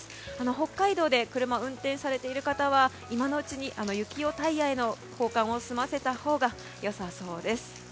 北海道で車を運転されている方は今のうちに雪用タイヤへの交換を済ませたほうがよさそうです。